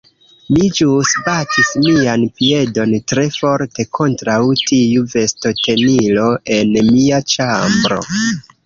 Mi ĵus batis mian piedon tre forte kontraŭ tiu vestotenilo en mia ĉambro